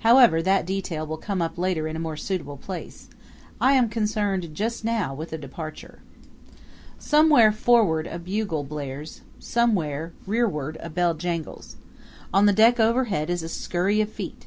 However, that detail will come up later in a more suitable place. I am concerned now with the departure. Somewhere forward a bugle blares; somewhere rearward a bell jangles. On the deck overhead is a scurry of feet.